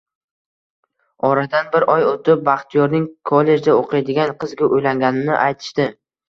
Oradan bir oy oʻtib, Baxtiyorning kollejda oʻqiydigan qizga uylanganini aytishdi